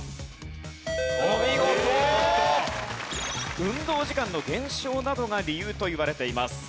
運動時間の減少などが理由といわれています。